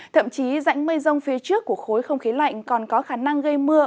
thậm chí rãnh mây rông phía trước của khối không khí lạnh còn có khả năng gây mưa